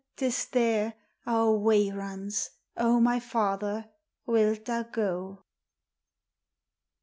T is there Our way runs : O my father, wilt thou go